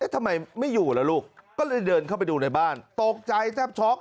ทำไมไม่อยู่แล้วลูกก็เลยเดินเข้าไปดูในบ้านตกใจแทบช็อก